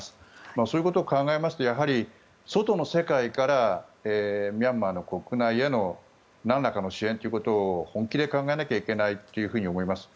そういうことを考えるとやはり、外の世界からミャンマーの国内へのなんらかの支援ということを本気で考えないといけないと思います。